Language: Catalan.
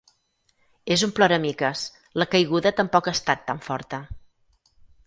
És un ploramiques: la caiguda tampoc ha estat tan forta.